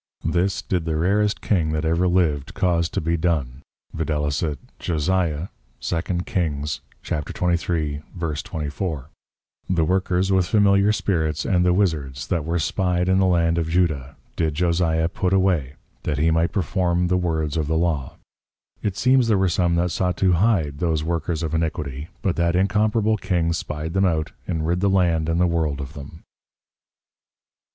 This did the rarest King that ever lived caused to be done, viz. Josiah, 2 Kings 23.24. _The Workers with familiar Spirits and the Wizzards, that were spied in the Land of +Judah+, did +Josiah+ put away, that he might perform the Words of the Law._ It seems there were some that sought to hide those Workers of Iniquity, but that incomparable King spied them out, and rid the Land and the World of them.